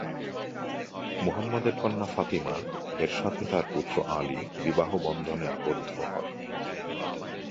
মুহাম্মাদ এর কন্যা ফাতিমা এর সাথে তার পুত্র আলী বিবাহ বন্ধন এ আবদ্ধ হন।